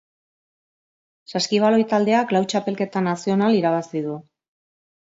Saskibaloi taldeak lau txapelketa nazional irabazi du.